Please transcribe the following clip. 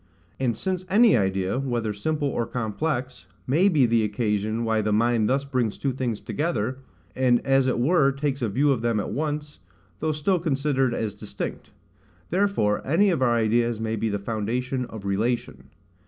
And since any idea, whether simple or complex, may be the occasion why the mind thus brings two things together, and as it were takes a view of them at once, though still considered as distinct: therefore any of our ideas may be the foundation of relation.